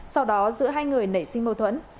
sau đó giữa hai người nảy sinh mâu thuẫn